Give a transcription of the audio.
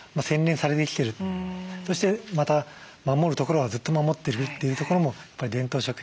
そしてまた守るところはずっと守ってるというところも伝統食品